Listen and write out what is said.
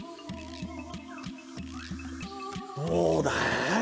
どうだい？